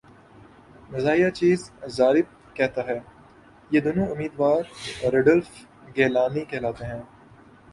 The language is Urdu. مزاحیہ چِیز ضارب کہتا ہے یہ دونوں امیدوار رڈلف گیلانی کہلاتے ہیں